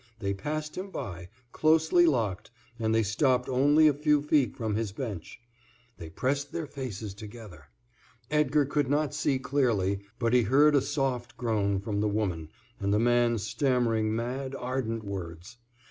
They passed him by, closely locked, and they stopped only a few feet beyond his bench. They pressed their faces together. Edgar could not see clearly, but he heard a soft groan from the woman, and the man stammering mad, ardent words.